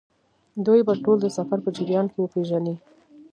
دوی به ټول د سفر په جریان کې وپېژنئ.